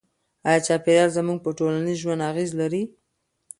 آیا چاپیریال زموږ په ټولنیز ژوند اغېز لري؟